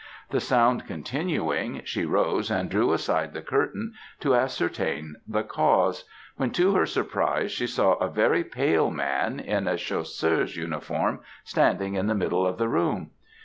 The sound continuing, she rose and drew aside the curtain to ascertain the cause, when, to her surprise, she saw a very pale man, in a Chasseur's uniform, standing in the middle of the room.